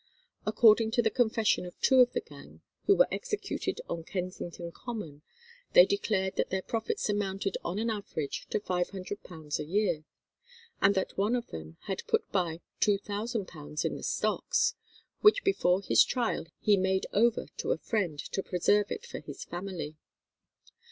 According to the confession of two of the gang who were executed on Kensington Common, they declared that their profits amounted on an average to £500 a year, and that one of them had put by £2,000 in the stocks, which before his trial he made over to a friend to preserve it for his family.